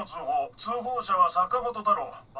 通報者は坂本太郎。